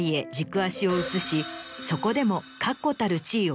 そこでも。